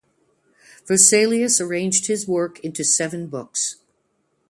Vesalius arranged his work into seven books.